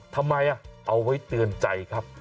ทำไมเอาไว้เตือนใจครับ